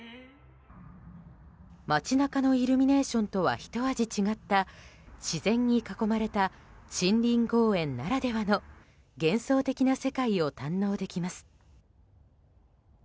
街中のイルミネーションとはひと味違った自然に囲まれた森林公園ならではの幻想的な世界を堪能できます。